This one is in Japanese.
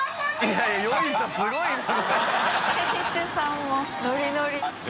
いやいやよいしょすごいな ）